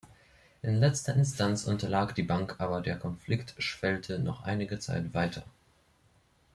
In letzter Instanz unterlag die Bank, aber der Konflikt schwelte noch einige Zeit weiter.